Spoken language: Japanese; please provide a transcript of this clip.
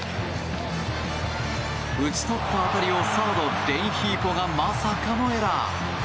打ち取った当たりを、サードのレンヒーフォがまさかのエラー。